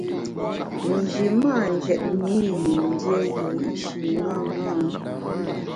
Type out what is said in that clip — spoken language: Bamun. Nji mâ njètne i yin dié wiyi’shi ṅaṅâ.